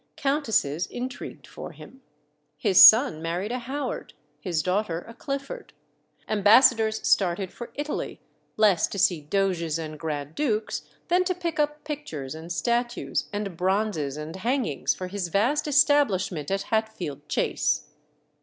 Countesses intrigued for him. His son married a Howard, his daughter a Clifford. Ambassadors started for Italy, less to see Doges and Grand Dukes than to pick up pictures and statues, and bronzes and hangings, for his vast establishment at Hatfield Chase.